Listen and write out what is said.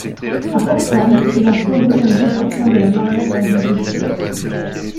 À Portland, il a sauvé un jeune garçon de la noyade dans une rivière.